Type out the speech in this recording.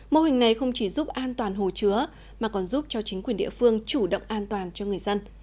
mô hình này không chỉ giúp an toàn hồ chứa mà còn giúp cho chính quyền địa phương chủ động an toàn cho người dân